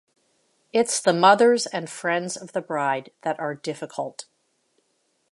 It's the mothers and friends of the bride that are difficult.